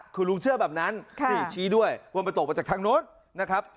คือลุงเชื่อแบบนั้นนี่ชี้ด้วยว่ามันตกมาจากทางโน้นนะครับ